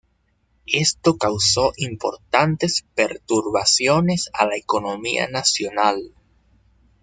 Esto causó importantes perturbaciones a la economía nacional.